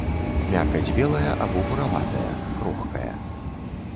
Мякаць белая або бураватая, крохкая.